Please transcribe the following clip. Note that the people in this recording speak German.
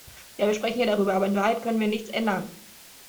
Ja, wir sprechen hier darüber, aber in Wahrheit können wir nichts ändern.